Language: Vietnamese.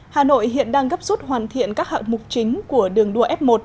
hà nội hiện đang gấp rút hoàn thiện các hạng mục chính của đường đua f một